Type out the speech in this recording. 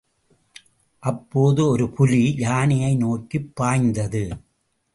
அப்போது ஒரு புலி யானையை நோக்கிப் பாய்ந்தது.